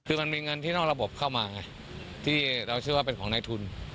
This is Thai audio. คือมันมีเงินที่นอกระบบเข้ามาไงที่เราเชื่อว่าเป็นของในทุน